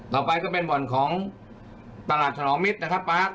ต่อไปก็เป็นบ่อนของตลาดฉลองมิตรนะครับป๊า